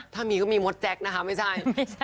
ถ้ามีก็มีหมดแจกซ์ไม่ใช่